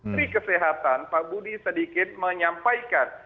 menteri kesehatan pak budi sedikit menyampaikan